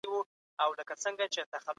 هغه به خپله څېړنه بشپړه کړي.